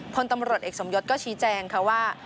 พลตำรวจเอกสมยศก็ชี้แจงค่ะว่า